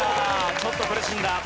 ちょっと苦しんだ。